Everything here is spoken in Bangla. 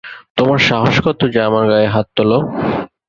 তোমার সাহস কতো যে আমার গায়ে হাত তোলো!